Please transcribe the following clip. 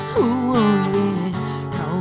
kau ada dimana